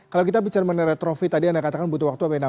kalau kita bicara retrofit tadi anda katakan butuh waktu